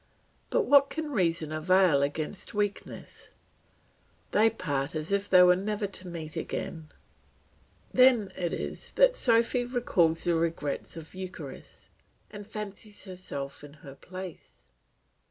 But what can reason avail against weakness? They part as if they were never to meet again. Then it is that Sophy recalls the regrets of Eucharis, and fancies herself in her place.